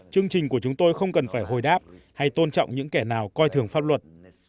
chương trình của chúng tôi không cần phải hồi đáp hay tôn trọng những kẻ nào coi thường pháp luật